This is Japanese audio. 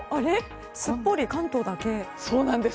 すっぽり、関東だけ。